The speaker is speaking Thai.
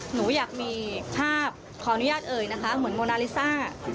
หนูอยากมีภาพขออนุญาตเอ่ยนะคะเหมือนโมนาลิซ่า